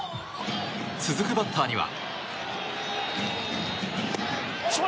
続くバッターには。